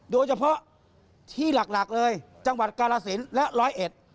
โดยเฉพาะที่หลักหลักเลยจังหวัดกาลสินและร้อยเอ็ด